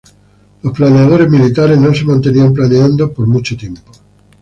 Los planeadores militares no se mantenían planeando por mucho tiempo.